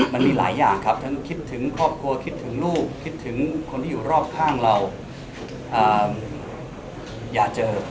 มันมีหลายอย่างครับ